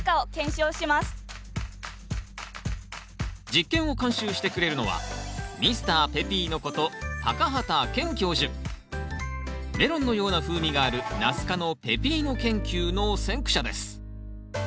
実験を監修してくれるのはメロンのような風味があるナス科のペピーノ研究の先駆者です